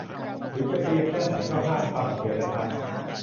แต่ถึงจะเพลียแค่ไหนก็ห้ามทำเชียวนะคะ